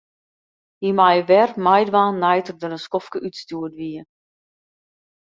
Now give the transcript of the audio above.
Hy mei wer meidwaan nei't er der in skoftke útstjoerd wie.